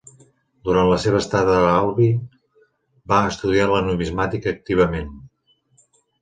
Durant la seva estada a Albi va estudiar la numismàtica activament.